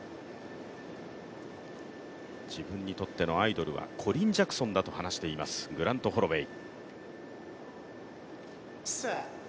自分にとってのアイドルはコリン・ジャクソンだと話していますホロウェイ。